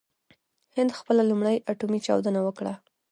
هند خپله لومړۍ اټومي چاودنه وکړه.